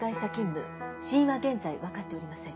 死因は現在分かっておりません。